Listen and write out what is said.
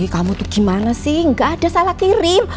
kamu tuh gimana sih gak ada salah kirim